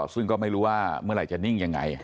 ซึ่งก็ไม่รู้ว่าเมื่อไหร่จะนิ่งยังไง